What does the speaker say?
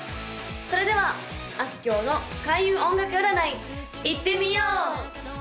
それではあすきょうの開運音楽占いいってみよう！